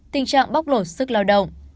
tình trạng bóc lột sức lao động